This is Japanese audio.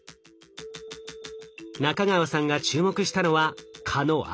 仲川さんが注目したのは蚊の脚。